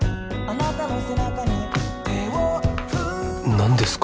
何ですか？